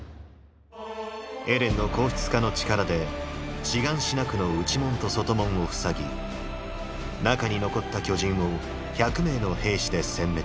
エレンの硬質化の力でシガンシナ区の内門と外門を塞ぎ中に残った巨人を１００名の兵士で殲滅。